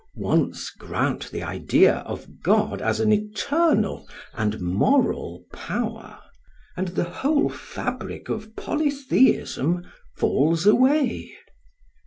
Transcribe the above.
Once grant the idea of God as an eternal and moral Power and the whole fabric of polytheism falls away.